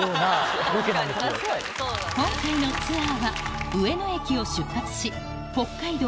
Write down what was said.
今回のツアーは上野駅を出発し北海道